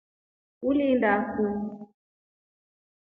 Ulinda kuu.